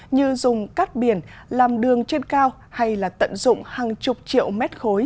như dùng cắt biển làm đường trên cao hay là tận dụng hàng chục triệu mét khối